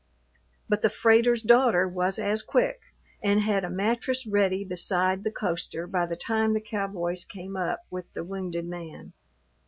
But the freighter's daughter was as quick and had a mattress ready beside the coaster by the time the cowboys came up with the wounded man.